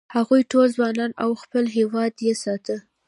هغوی ټول ځوانان و او خپل هېواد یې ساته.